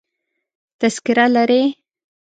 تذکره لرې؟